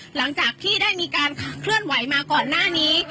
หลังจากที่ได้มีการเคลื่อนไหวมาก่อนหน้านี้